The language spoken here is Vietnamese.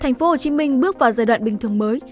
thành phố hồ chí minh bước vào giai đoạn bình thường mới